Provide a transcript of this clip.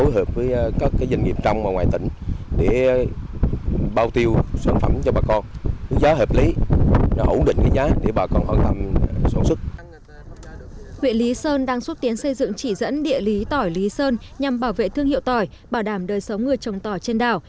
huyện lý sơn đang xúc tiến xây dựng chỉ dẫn địa lý tỏi lý sơn nhằm bảo vệ thương hiệu tỏi bảo đảm đời sống người trồng tỏi trên đảo